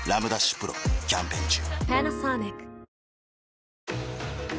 丕劭蓮キャンペーン中